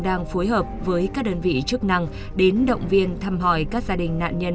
đang phối hợp với các đơn vị chức năng đến động viên thăm hỏi các gia đình nạn nhân